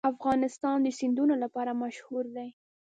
افغانستان د سیندونه لپاره مشهور دی.